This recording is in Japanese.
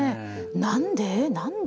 何で？